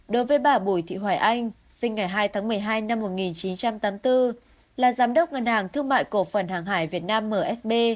đối với bà bùi thị hoài anh sinh ngày hai tháng một mươi hai năm một nghìn chín trăm tám mươi bốn là giám đốc ngân hàng thương mại cổ phần hàng hải việt nam msb